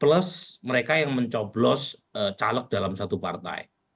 plus mereka yang mencoblos caleg dalam satu partai